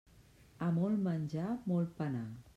A molt menjar, molt penar.